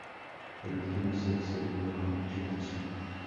El último set, se vivió con mucha tensión.